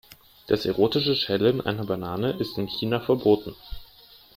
Das erotische Schälen einer Banane ist in China verboten.